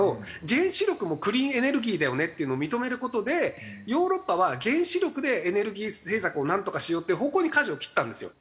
原子力もクリーンエネルギーだよねっていうのを認める事でヨーロッパは原子力でエネルギー政策をなんとかしようっていう方向に舵を切ったんですよ。